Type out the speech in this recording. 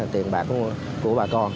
tiền bạc của bà con